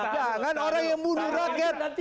jangan orang yang membunuh rakyat